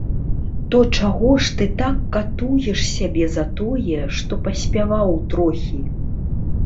То чаго ж ты так катуеш сябе за тое, што паспяваў трохі?